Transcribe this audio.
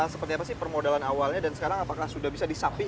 seperti apa sih permodalan awalnya dan sekarang apakah sudah bisa disamping